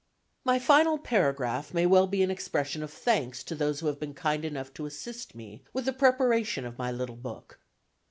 My final paragraph may well be an expression of thanks to those who have been kind enough to assist me with the preparation of my little book.